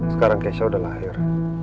sekarang kesha udah lahir